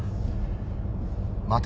待て。